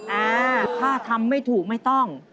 อ่าถ้าทำไม่ถูกไม่ต้อง